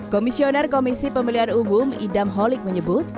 komisioner komisi pemilihan umum idam holik menyebut